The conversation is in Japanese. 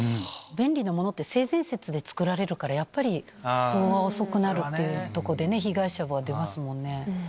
便利なものって、性善説で作られるから、やっぱり対応は遅くなるってところでね、被害者は出ますもんね。